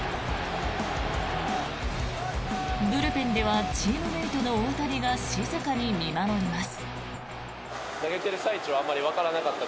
ブルペンではチームメートの大谷が静かに見守ります。